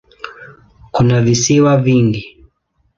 Kuna visiwa vingi.